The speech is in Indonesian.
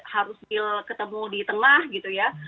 harus ketemu di tengah gitu ya